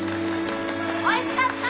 おいしかった！